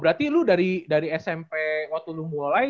berarti lu dari smp waktu lu mulai